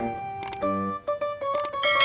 untuk berkomunikasi dengan kerabat